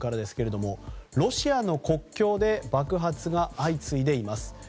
ロシアの国境で爆発が相次いでいます。